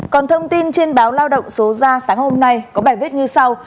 còn thông tin trên báo lao động số ra sáng hôm nay có bài viết như sau